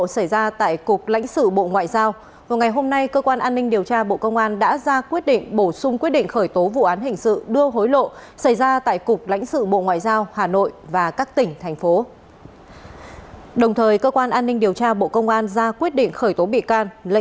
xin chào quý vị và các bạn